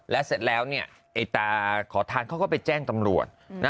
และเสร็จแล้วไอ้ตาขอทานเขาก็ไปแจ้งตำรวจ